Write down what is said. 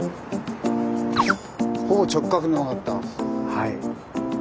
はい。